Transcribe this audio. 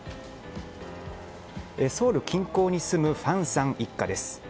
ソウル近郊に住むファンさん一家です。